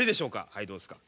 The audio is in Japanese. はいどうっすか？